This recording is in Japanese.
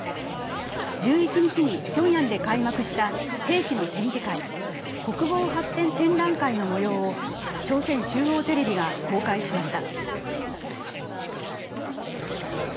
１１日にピョンヤンで開幕した兵器の展示会、国防発展展覧会の模様を朝鮮中央テレビが公開しました。